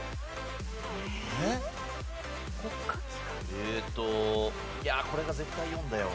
えーっといやこれが絶対４だよ。